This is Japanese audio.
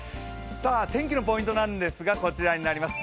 天気のポイントなんですが、こちらになります。